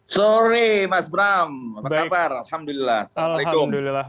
sore mas bram apa kabar alhamdulillah assalamualaikum